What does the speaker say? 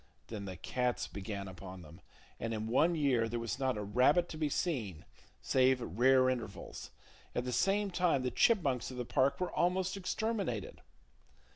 Then the cats began upon them; and in one year there was not a rabbit to be seen, save at rare intervals. At the same time the chipmunks of the park were almost exterminated.